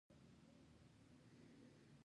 احمد ناببره علي کرکنډه کړ.